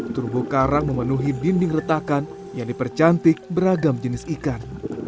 terubu karang memenuhi dinding retakan yang dipercantik beragam jenis ikan